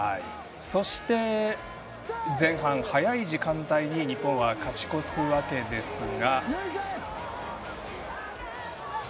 そして、前半早い時間帯に日本は勝ち越すわけですが。